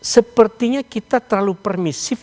sepertinya kita terlalu permisif